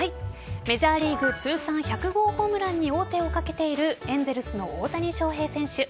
メジャーリーグ通算１００号ホームランに王手をかけているエンゼルスの大谷翔平選手。